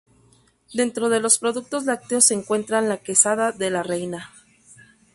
Dentro de los productos lácteos se encuentran la quesada de la reina.